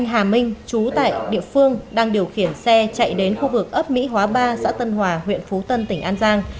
hà minh chú tại địa phương đang điều khiển xe chạy đến khu vực ấp mỹ hóa ba xã tân hòa huyện phú tân tỉnh an giang